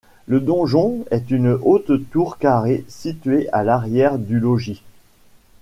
Le donjon est une haute tour carrée située à l'arrière du logis.